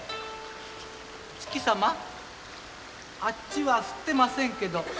あっちは降ってませんけど。